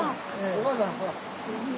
おかあさんほら。